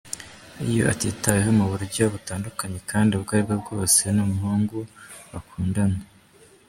Iyo atitaweho mu buryo butandukanye kandi ubwo aribwo bwose n’umuhungu bakundana.